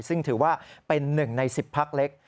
ซึ่งถือว่าเป็น๑ใน๑๐พักเล็ก